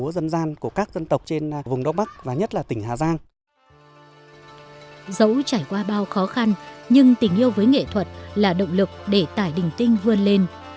dẫu trải qua bao khó khăn nhưng tình yêu với nghệ thuật là động lực để tải đỉnh tinh vươn lên